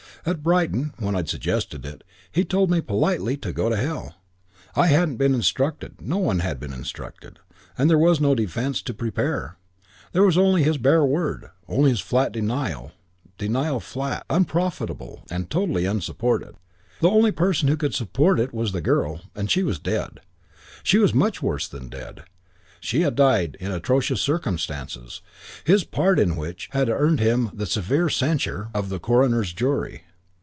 At Brighton, when I'd suggested it, he'd told me, politely, to go to hell. I hadn't been instructed; no one had been instructed. And there was no defence to prepare. There was only his bare word, only his flat denial denial flat, unprofitable, and totally unsupported. The only person who could support it was the girl, and she was dead: she was much worse than dead: she had died in atrocious circumstances, his part in which had earned him the severe censure of the coroner's jury.